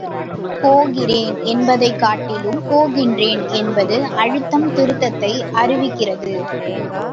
போகிறேன் என்பதைக்காட்டிலும் போகின்றேன் என்பது அழுத்தம் திருத்தத்தை அறிவிக்கிறது.